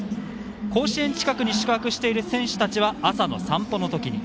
甲子園近くに宿泊している選手たちは朝の散歩のときに。